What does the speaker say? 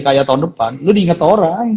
kaya tahun depan lu diinget orang